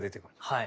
はい。